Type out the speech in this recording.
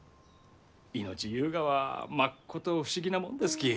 命ゆうがはまっこと不思議なもんですき。